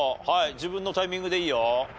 自分のタイミングでいいよ。